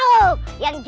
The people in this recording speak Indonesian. tunggu tunggu tunggu